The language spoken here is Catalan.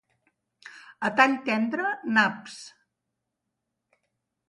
A Talltendre, naps.